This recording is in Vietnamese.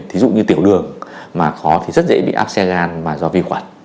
thí dụ như tiểu đường mà khó thì rất dễ bị áp xe gan và do vi khuẩn